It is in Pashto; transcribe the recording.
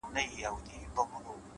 خوښې غواړو غم نه غواړو عجيبه نه ده دا!